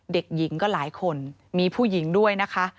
เด็กหญิงก็หลายคนมีผู้หญิงด้วยนะคะ